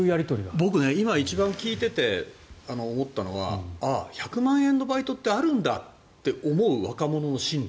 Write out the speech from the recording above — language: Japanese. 僕、今一番聞いていて思ったのは１００万円のバイトってあるんだと思う若者の心理